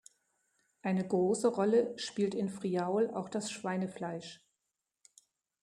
Eine große Rolle spielt in Friaul auch das Schweinefleisch.